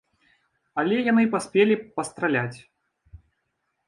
Але яны паспелі пастраляць.